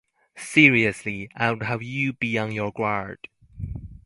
Seriously, I would have you be on your guard.